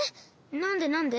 なんでなんで？